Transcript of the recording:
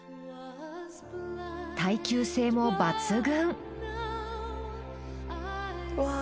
耐久性も抜群。